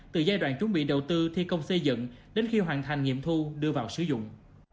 từ giai đoạn chuẩn bị đầu tư thi công xây dựng đến khi hoàn thành nghiệm thu đưa vào sử dụng